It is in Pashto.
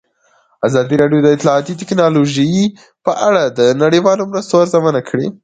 ازادي راډیو د اطلاعاتی تکنالوژي په اړه د نړیوالو مرستو ارزونه کړې.